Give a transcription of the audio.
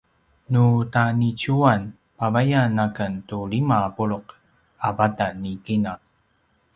nu taniciyuwan pavayan aken tu lima a puluq a vatan ni kina